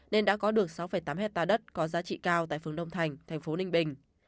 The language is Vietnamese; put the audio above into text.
nên đã có được sáu tám hectare đất có giá trị cao tại phương đông thành tp ninh bình